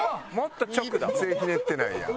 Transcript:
「全然ひねってないやん」